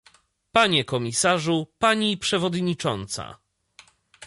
Panie komisarzu, pani przewodnicząca